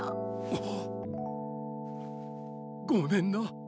あっごめんな。